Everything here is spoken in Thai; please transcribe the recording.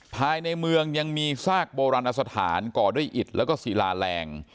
ภายในเมืองยังมีซากโบราณสถานก่อด้วยอิดแล้วก็ศิลาแรง